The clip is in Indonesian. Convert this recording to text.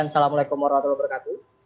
assalamu'alaikum warahmatullahi wabarakatuh